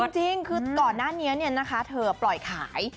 จริงคือก่อนหน้านี้เธอปล่อยขาย